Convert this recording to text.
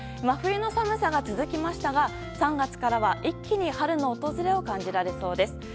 真冬の寒さが続きましたが３月からは、一気に春の訪れを感じられそうです。